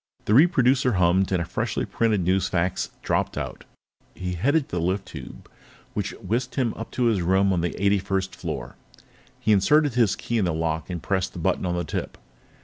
The reproducer hummed, and a freshly printed newsfax dropped out. He headed for the lift tube, which whisked him up to his room on the eighty first floor. He inserted his key in the lock and pressed the button on the tip.